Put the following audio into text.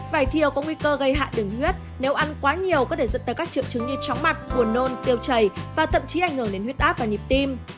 vải thiều có nguy cơ gây hại đường huyết nếu ăn quá nhiều có thể dẫn tới các triệu chứng như chóng mặt buồn nôn tiêu chảy và thậm chí ảnh hưởng đến huyết áp và nhịp tim